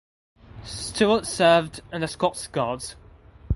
Stewart served in the Scots Guards.